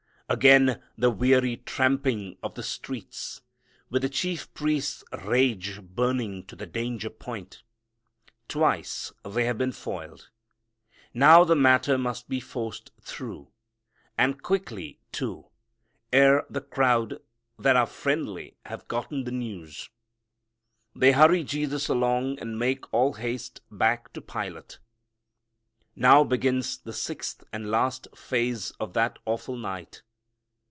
Again the weary tramping of the streets, with the chief priests' rage burning to the danger point. Twice they have been foiled. Now the matter must be forced through, and quickly, too, ere the crowd that are friendly have gotten the news. They hurry Jesus along and make all haste back to Pilate. Now begins the sixth and last phase of that awful night.